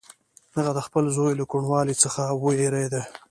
هغه د خپل زوی له کوڼوالي څخه وېرېده.